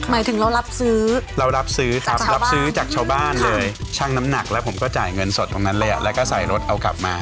หมายถึงเรารับซื้อจากชาวบ้านเลยชั่งน้ำหนักแล้วผมก็จ่ายเงินสดตรงนั้นและก็ใส่รถเอากลับมา